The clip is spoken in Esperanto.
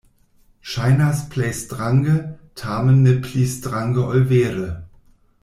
Ŝajnas plej strange, tamen ne pli strange ol vere.